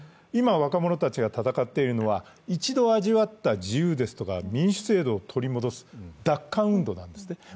今、若者たちが戦っているのは、一度味わった自由ですとか民主制度を取り戻す奪還運動なんですね。